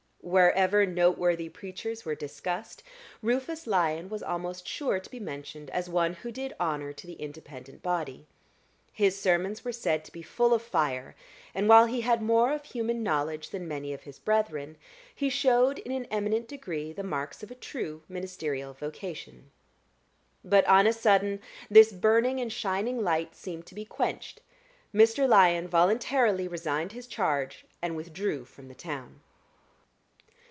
Wherever noteworthy preachers were discussed, Rufus Lyon was almost sure to be mentioned as one who did honor to the Independent body; his sermons were said to be full of fire; and while he had more of human knowledge than many of his brethren, he showed in an eminent degree the marks of a true ministerial vocation. But on a sudden this burning and shining light seemed to be quenched: Mr. Lyon voluntarily resigned his charge and withdrew from the town.